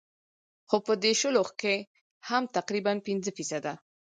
خو پۀ دې شلو کښې هم تقريباً پنځه فيصده